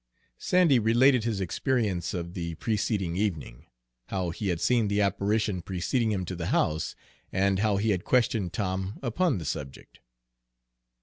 Sandy related his experience of the preceding evening: how he had seen the apparition preceding him to the house, and how he had questioned Tom upon the subject.